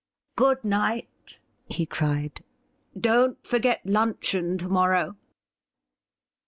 ' Good night,' he cried. ' Don't forget luncheon to morrow.'